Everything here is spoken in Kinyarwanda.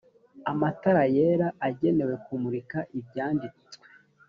amatara yera agenewe kumurika ibyanditswe